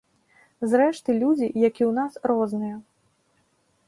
Зрэшты, людзі, як і ў нас, розныя.